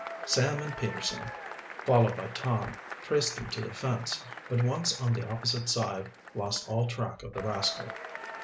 Sam and Peterson, followed by Tom, traced him to the fence, but once on the opposite side, lost all track of the rascal.